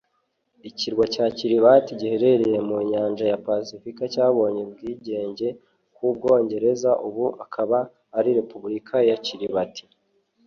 Ikirwa cya Kiribati giherereye mu Nyanja ya pasifika cyabonye ubwigenge ku bwongereza ubu akaba ari Repubulika ya Kiribati